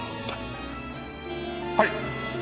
はい！